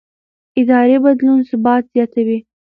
اداري بدلون ثبات زیاتوي